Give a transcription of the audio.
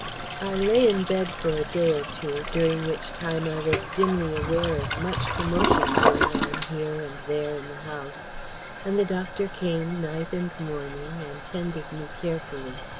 I lay in bed for a day or two, during which time I was dimly aware of much commotion going on here and there in the house; and the doctor came night and morning, and tended me carefully.